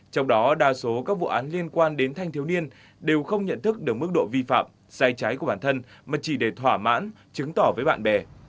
trong đó đa số các vụ án liên quan đến thanh thiếu niên đều không nhận thức được mức độ vi phạm sai trái của bản thân mà chỉ để thỏa mãn chứng tỏ với bạn bè